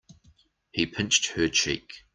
He pinched her cheek.